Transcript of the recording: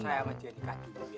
dalam waktu dua minggu